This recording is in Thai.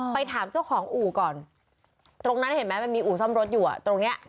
ไปถามเจ้าของอู่ก่อนตรงนั้นเห็นไหมมันมีอู่ซ่อมรถอยู่อ่ะตรงเนี้ย